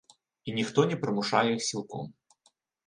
І ніхто не прымушае іх сілком.